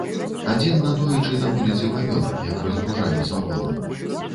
Адзін надоечы на вуліцы памёр, як разгружалі з вагонаў.